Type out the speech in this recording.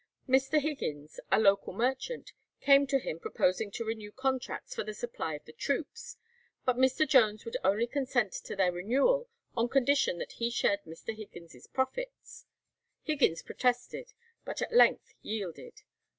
Mr. Higgins, a local merchant, came to him proposing to renew contracts for the supply of the troops, but Mr. Jones would only consent to their renewal on condition that he shared Mr. Higgins' profits. Higgins protested, but at length yielded.